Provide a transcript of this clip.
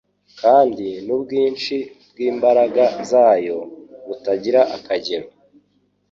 kandi “n’ubwinshi bw’imbaraga zayo butagira akagera